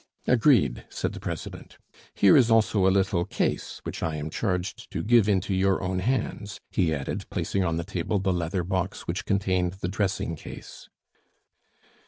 "Agreed," said the president. "Here is also a little case which I am charged to give into your own hands," he added, placing on the table the leather box which contained the dressing case.